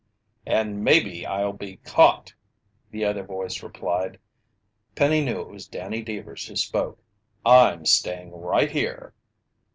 "And maybe I'll be caught!" the other voice replied. Penny knew it was Danny Deevers who spoke. "I'm staying right here!"